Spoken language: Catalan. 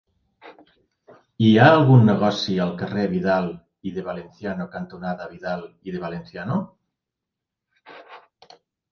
Hi ha algun negoci al carrer Vidal i de Valenciano cantonada Vidal i de Valenciano?